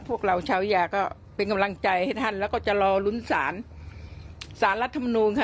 พวกเราชาวยาก็เป็นกำลังใจให้ท่านแล้วก็จะรอลุ้นสารสารรัฐมนูลค่ะ